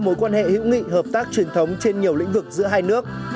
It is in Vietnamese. mối quan hệ hữu nghị hợp tác truyền thống trên nhiều lĩnh vực giữa hai nước